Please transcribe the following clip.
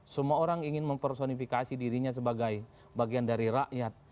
semua orang ingin mempersonifikasi dirinya sebagai bagian dari rakyat